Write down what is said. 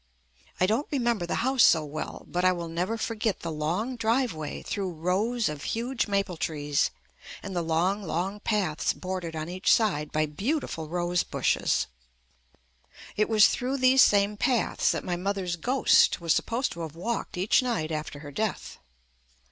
I don't remember the house so well, but I will never forget the long driveway through rows of huge maple trees and the long, long paths bordered on each side by beautiful rose JUST ME bushes. It was through these same paths that my mother's ghost was supposed to have walked each night after her death.